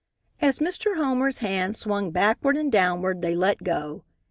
As Mr. Homer's hand swung backward and downward they let go.